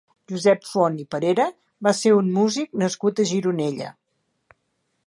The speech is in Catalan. Josep Font i Parera va ser un músic nascut a Gironella.